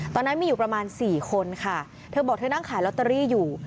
ตอนนั้นมีอยู่ประมาณสี่คนค่ะเธอบอกเธอนั่งขายลอตเตอรี่อยู่